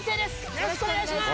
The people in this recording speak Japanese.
よろしくお願いします